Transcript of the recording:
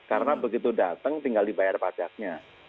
karena begitu datang tinggal dibayar pajaknya